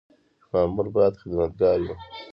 مامور باید خدمتګار وي